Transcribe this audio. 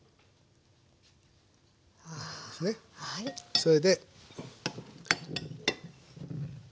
それで。